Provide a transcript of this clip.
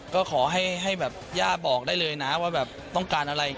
ก็ขอให้แบบย่าบอกได้เลยนะว่าแบบต้องการอะไร